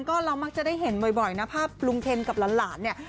ก็เรามักจะได้เห็นบ่อยนะภาพลุงเคนกับหลานเนี่ย